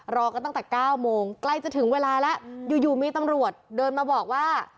รอกันตั้งแต่๙โมงใกล้จะถึงเวลาแล้วอยู่มีตำรวจเดินมาบอกว่า